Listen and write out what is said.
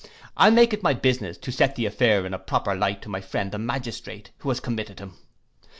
I'll make it my business to set the affair in a proper light to my friend the magistrate who has committed him.